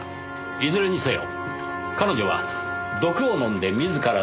いずれにせよ彼女は毒を飲んで自らの命を絶った。